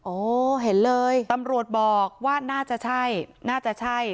โอ้เห็นเลยตำรวจบอกว่าน่าจะใช่น่าจะใช่